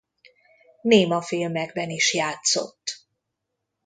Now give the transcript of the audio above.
Némafilmekben is játszott.